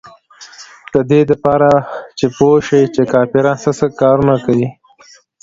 د دې دپاره چې پوې شي چې کافران سه سه کارونه کيي.